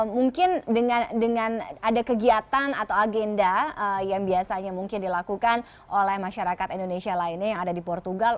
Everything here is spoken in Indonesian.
mungkin dengan ada kegiatan atau agenda yang biasanya mungkin dilakukan oleh masyarakat indonesia lainnya yang ada di portugal